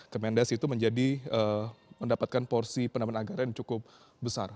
kementerian pdit pdit itu mendapatkan porsi pendapatan anggaran yang cukup besar